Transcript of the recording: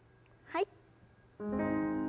はい。